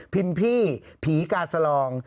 ินพี่ผีกาสลอง